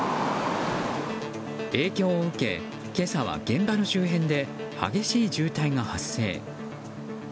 影響を受け、今朝は現場の周辺で激しい渋滞が発生。